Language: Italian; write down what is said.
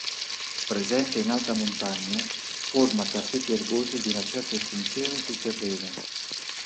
Presente in alta montagna, forma tappeti erbosi di una certa estensione sul terreno.